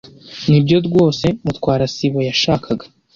Nibyo rwose Mutwara sibo yashakaga.